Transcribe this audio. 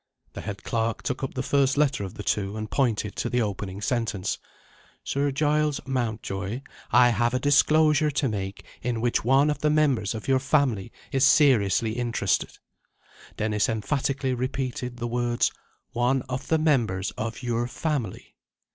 The head clerk took up the first letter of the two and pointed to the opening sentence: "Sir Giles Mountjoy, I have a disclosure to make in which one of the members of your family is seriously interested." Dennis emphatically repeated the words: "one of the members of your family."